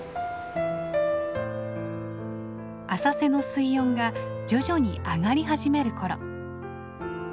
浅瀬の水温が徐々に上がり始める頃。